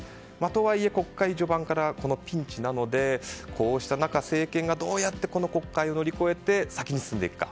とはいえ国会序盤からピンチなのでこうした中、政権がどうやってこの国会を乗り越えて先に進んでいくか。